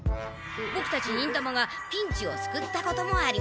ボクたち忍たまがピンチをすくったこともありました。